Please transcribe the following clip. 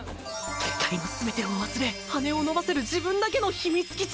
下界の全てを忘れ羽を伸ばせる自分だけの秘密基地。